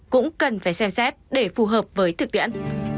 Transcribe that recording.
cũng cần phải xem xét để phù hợp với thực tiễn